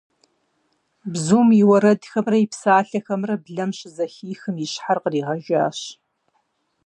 Бзум и уэрэдхэмрэ и псалъэхэмрэ блэм щызэхихым, и щхьэр къригъэжащ.